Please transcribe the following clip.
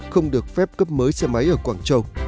không được phép cấp mới xe máy ở quảng châu